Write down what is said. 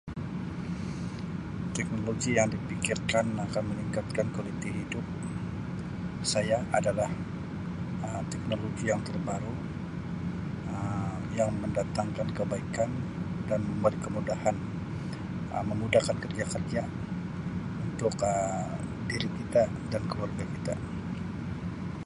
Teknologi yang difikirkan akan meningkatkan kualiti hidup saya adalah Um teknologi yang terbaru Um yang mendatangkan kebaikan dan memberi kemudahan Um memudahkan kerja-kerja untuk Um diri kita. dan keluarga kita.